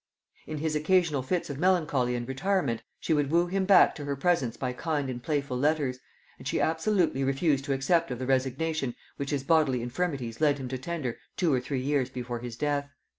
In his occasional fits of melancholy and retirement, she would woo him back to her presence by kind and playful letters, and she absolutely refused to accept of the resignation which his bodily infirmities led him to tender two or three years before his death.